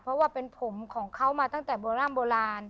เพราะว่าเป็นผมของเขามาตั้งแต่โบร่ำโบราณ